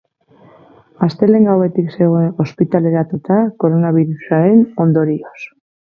Astelehen gauetik zegoen ospitaleratuta koronabirusaren ondorioz.